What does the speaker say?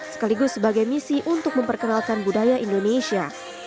sekaligus sebagai misi untuk memperkenalkan budaya indonesia